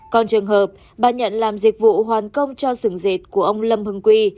còn trường hợp bà nhận làm dịch vụ hoàn công cho sưởng dệt của ông lâm hưng quy